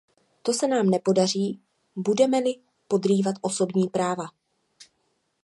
To se nám nepodaří, budeme-li podrývat osobní práva.